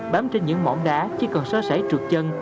bám trên những mỏm đá chỉ cần so sẻ trượt chân